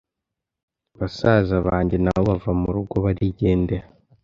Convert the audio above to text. basaza banjye nabo bava murugo barigendera.